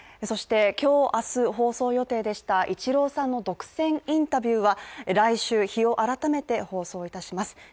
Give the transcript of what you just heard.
そして、今日放送予定でしたイチローさんの独占インタビューは来週、日を改めて放送いたします。